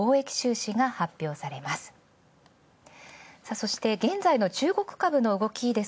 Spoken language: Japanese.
そして現在の中国株の動きです